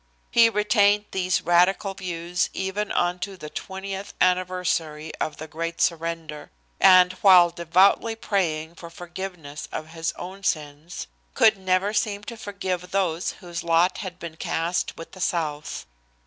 He retained these radical views even unto the twentieth anniversary of the great surrender; and, while devoutly praying for forgiveness of his own sins, could never seem to forgive those whose lot had been cast with the South.